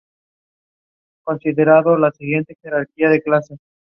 Filson Nunatak in Antarctica is named in his honour.